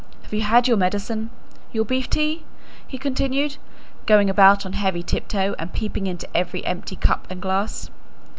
Have you had your medicine? Your beef tea?" he continued, going about on heavy tiptoe and peeping into every empty cup and glass.